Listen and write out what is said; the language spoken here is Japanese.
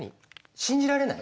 信じられない？